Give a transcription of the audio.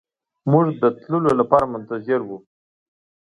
موږ د تللو لپاره منتظر وو.